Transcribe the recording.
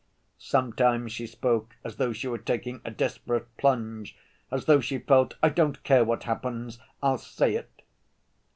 Sometimes she spoke as though she were taking a desperate plunge; as though she felt, "I don't care what happens, I'll say it...."